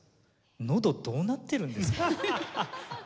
のどどうなってるんですか？